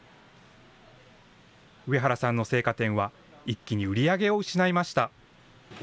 上原さんの青果店は一気に売り上げを失いました。